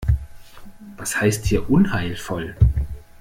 Was heißt hier unheilvoll?